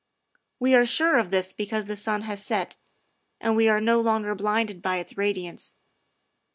We are sure of this because the sun has set, and we are no longer blinded by its radiance.